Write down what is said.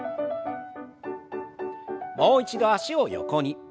もう一度脚を横に。